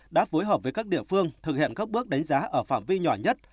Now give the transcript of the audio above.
đã phối hợp với các địa phương thực hiện các bước đánh giá ở phạm vi nhỏ nhất